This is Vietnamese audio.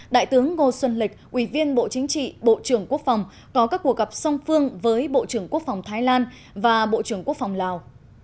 đại tướng ngô xuân lịch ủy viên bộ chính trị bộ trưởng quốc phòng có các cuộc gặp song phương với bộ trưởng quốc phòng thái lan và bộ trưởng quốc phòng lào